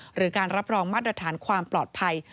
หรือการรับรองมาตรฐานความปลอดภัย